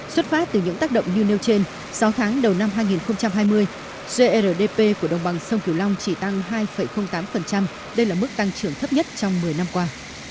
xuất phát từ những tác động như nêu trên sáu tháng đầu năm hai nghìn hai mươi grdp của đồng bằng sông kiều long chỉ tăng hai tám đây là mức tăng trưởng thấp nhất trong một mươi năm qua